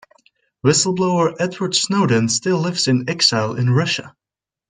Whistle-blower Edward Snowden still lives in exile in Russia.